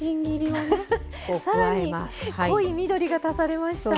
更に濃い緑が足されました。